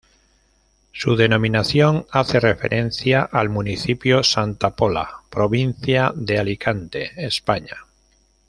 Su denominación hace referencia al municipio de Santa Pola, provincia de Alicante, España.